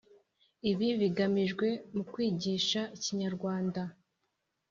Ibi bigamijwe mu kwigisha ikinyarwanda